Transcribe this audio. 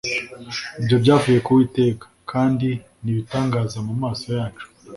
Ibyo byavuye ku uwiteka, kandi ni ibitangazamumaso yacu